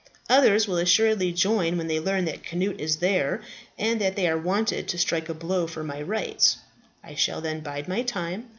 Others will assuredly join when they learn that Cnut is there, and that they are wanted to strike a blow for my rights. I shall then bide my time.